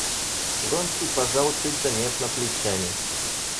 Вронский пожал чуть заметно плечами.